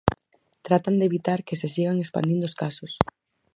Tratan de evitar que se sigan expandindo os casos.